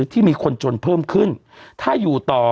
คุณธรรมนัฐลงไปแบบว่าดูการ